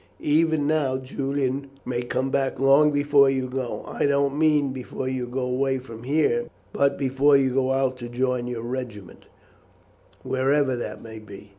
Even now Julian may come back long before you go. I don't mean before you go away from here, but before you go out to join your regiment, wherever that may be.